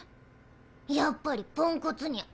やっぱりポンコツニャ。